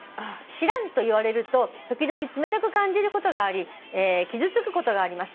「『知らん』と言われると時々冷たく感じることがあり傷つくことがあります」